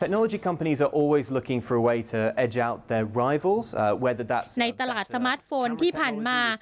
ในตลาดสมาร์ทโฟนที่ผ่านมา